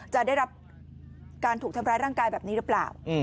จะได้รับการถูกทำร้ายร่างกายแบบนี้หรือเปล่า